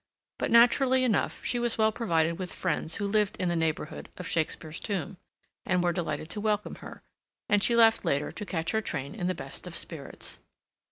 But, naturally enough, she was well provided with friends who lived in the neighborhood of Shakespeare's tomb, and were delighted to welcome her; and she left later to catch her train in the best of spirits.